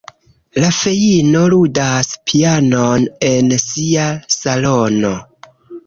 La feino ludas pianon en sia salono.